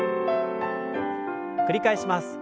繰り返します。